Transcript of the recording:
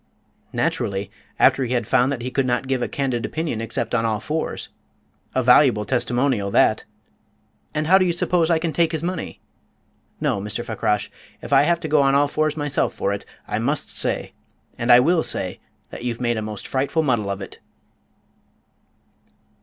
"Naturally, after he had found that he could not give a candid opinion except on all fours. A valuable testimonial, that! And how do you suppose I can take his money? No, Mr. Fakrash, if I have to go on all fours myself for it, I must say, and I will say, that you've made a most frightful muddle of it!"